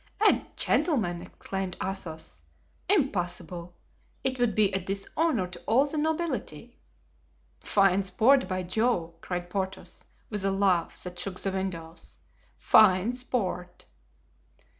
"A gentleman!" exclaimed Athos. "Impossible! It would be a dishonor to all the nobility." "Fine sport, by Jove!" cried Porthos, with a laugh that shook the windows. "Fine sport!"